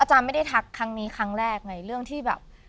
ไม่ได้ทักครั้งนี้ครั้งแรกในเรื่องที่แบบ